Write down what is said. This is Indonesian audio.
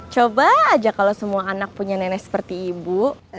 coba aja kalau semua anak punya nenek seperti ibu